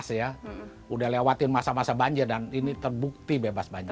sudah lewatin masa masa banjir dan ini terbukti bebas banjir